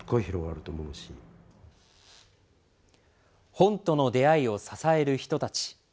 本との出会いを支える人たち。